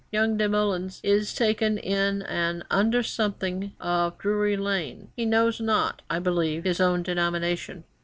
'Young Desmoulins is taken in an under something of Drury Lane; he knows not, I believe, his own denomination.'